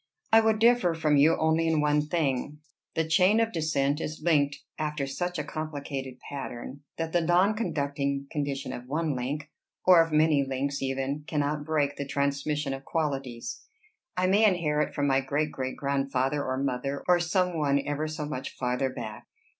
"I would differ from you only in one thing. The chain of descent is linked after such a complicated pattern, that the non conducting condition of one link, or of many links even, cannot break the transmission of qualities. I may inherit from my great great grandfather or mother, or some one ever so much farther back.